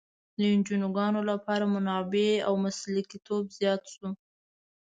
د انجوګانو لپاره منابع او مسلکیتوب زیات شو.